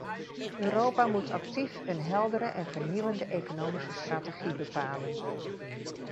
Europa moet actief een heldere en vernieuwende economische strategie bepalen.